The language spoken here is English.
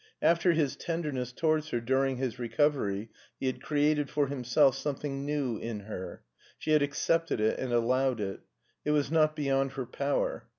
After his tenderness towards her during his recovery he had created for himself something new in her. She had accepted it and allowed it. It was not beyond her power.